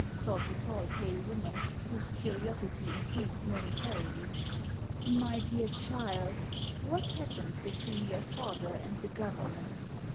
thought the tall, pale woman, whose curiosity increased momentarily. "My dear child, what happened between your father and the governor